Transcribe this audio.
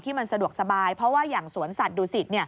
มันสะดวกสบายเพราะว่าอย่างสวนสัตว์ดูสิต